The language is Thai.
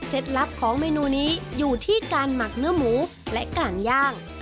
ลับของเมนูนี้อยู่ที่การหมักเนื้อหมูและการย่าง